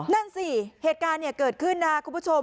นั่นสิเหตุการณ์เกิดขึ้นนะครับคุณผู้ชม